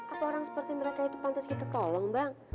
apa orang seperti mereka itu pantas kita tolong bang